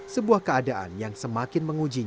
sebuah keadaan yang semakin menguji